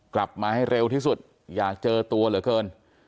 กลับมาให้เร็วที่สุดอยากเจอตัวเหลือเกิน